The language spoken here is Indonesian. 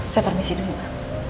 saya permisi dulu ma